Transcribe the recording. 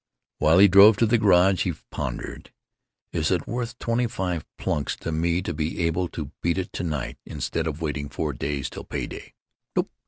While he drove to the garage he pondered: "Is it worth twenty five plunks to me to be able to beat it to night instead of waiting four days till pay day?